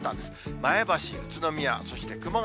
前橋、宇都宮、そして熊谷。